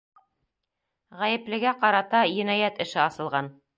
Ғәйеплегә ҡарата енәйәт эше асылған.